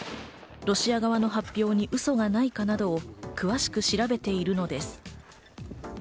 ロシア側の発表にウソがないかなどを詳しく調べているのです。